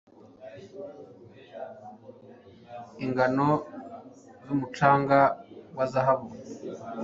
Ingano zumucanga wa zahabu